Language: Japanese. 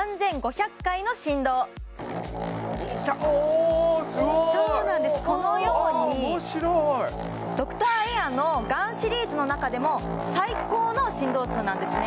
おおすごいそうなんですこのようにおもしろいドクターエアのガンシリーズの中でも最高の振動数なんですね